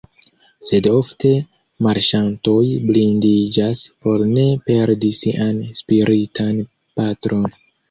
Sed ofte marŝantoj blindiĝas por ne perdi sian spiritan patron.